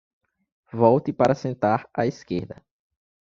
Volte para sentar à esquerda